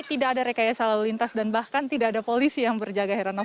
tidak ada rekayasa lalu lintas dan bahkan tidak ada polisi yang berjaga heranov